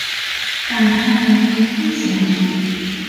การพัฒนาพื้นที่เศรษฐกิจ